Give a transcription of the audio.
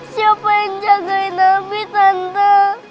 siapa yang jagain abi tante